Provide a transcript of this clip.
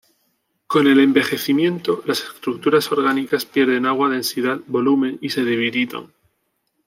Con el envejecimiento las estructuras orgánicas pierden agua, densidad, volumen y se debilitan.